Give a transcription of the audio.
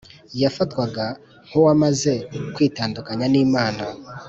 yafatwaga nk’uwamaze kwitandukanya n’imana